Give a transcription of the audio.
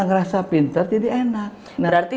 ngerasa pinter jadi enak berarti